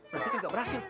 berarti dia nggak berhasil